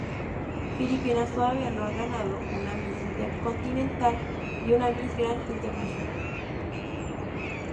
Filipinas todavía no ha ganado una Miss Intercontinental y una Miss Grand International.